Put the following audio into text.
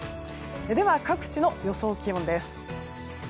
では各地の予想気温です。